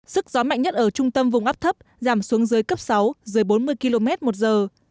sức gió mạnh nhất ở trung tâm vùng áp thấp giảm xuống dưới cấp sáu dưới bốn mươi km một giờ